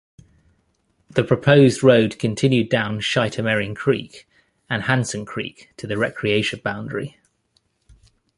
The proposed road continued down Shitamaring Creek and Hansen Creek to the recreation boundary.